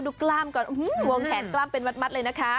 กล้ามก่อนควงแขนกล้ามเป็นมัดเลยนะคะ